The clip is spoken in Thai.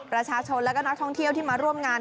ประชาชนและก็นักท่องเที่ยวที่มาร่วมงาน